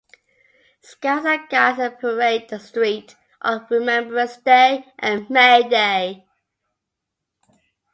Scouts and Guides parade the street on Remembrance Day and May Day.